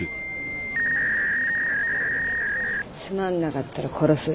つまんなかったら殺す。